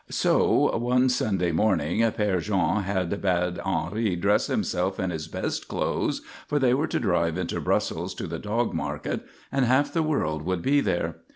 So one Sunday morning Père Jean had bade Henri dress himself in his best clothes, for they were to drive into Brussels to the dog market, and half the world would be there.